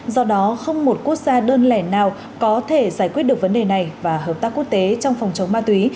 do đó không một quốc gia đơn lẻ nào có thể giải quyết được vấn đề này và hợp tác quốc tế trong phòng chống ma túy